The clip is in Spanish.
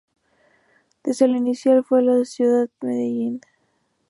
La sede inicial fue la ciudad de Medellín.